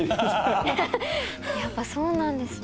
やっぱそうなんですね。